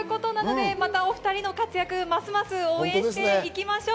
また２人の活躍をますます応援していきましょう。